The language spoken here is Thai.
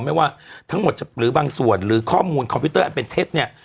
ไม่ว่าทั้งหมดหรือบางส่วนหรือข้อมูลคอมพิวเตอร์อันเป็นเท็จเนี่ย